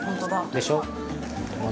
◆でしょう。